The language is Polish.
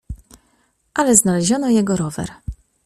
"Ale znaleziono jego rower."